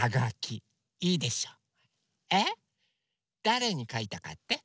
だれにかいたかって？